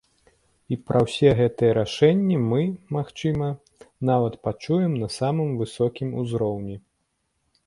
І пра ўсе гэтыя рашэнні мы, магчыма, нават пачуем на самым высокім узроўні.